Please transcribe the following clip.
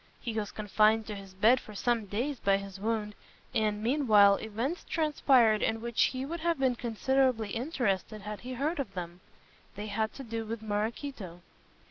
He was confined to his bed for some days by his wound and, meanwhile, events transpired in which he would have been considerably interested had he heard of them. They had to do with Maraquito.